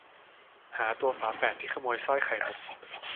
หาตัวฝาแฝดที่ขโมยสร้อยไข่มุก